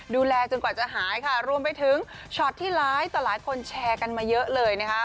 ดูแลจนกว่าจะหายค่ะรวมไปถึงช็อตที่ร้ายต่อหลายคนแชร์กันมาเยอะเลยนะคะ